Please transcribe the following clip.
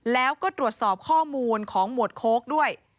แล้วก็ตรวจสอบข้อมูลของหมวดโค้กด้วย